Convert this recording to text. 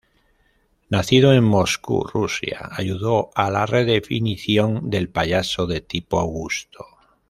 Nacido en Moscú, Rusia, ayudó a la redefinición del payaso de tipo Augusto.